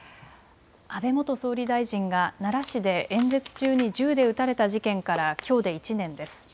安倍元総理大臣が奈良市で演説中に銃で撃たれた事件からきょうで１年です。